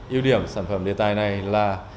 yêu điểm sản phẩm điện tài này là